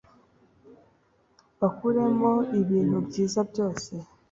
bakuremo ibintu byiza byose